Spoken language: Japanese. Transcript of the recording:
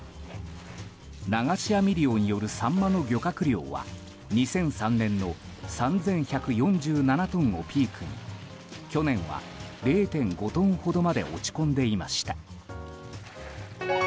流し網漁によるサンマの漁獲量は２００３年の３１４７トンをピークに去年は０．５トンほどにまで落ち込んでいました。